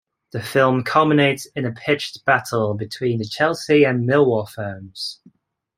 The film culminates in a pitched battle between the Chelsea and Millwall firms.